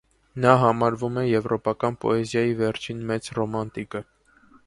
Նա համարվում է եվրոպական պոեզիայի վերջին մեծ ռոմանտիկը։